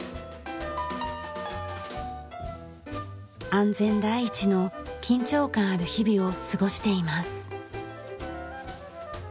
安全第一の緊張感ある日々を過ごしています。